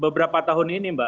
beberapa tahun ini mbak